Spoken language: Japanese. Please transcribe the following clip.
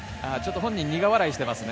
本人、苦笑いしていますね。